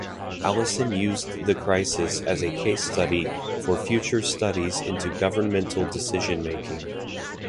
Allison used the crisis as a case study for future studies into governmental decision-making.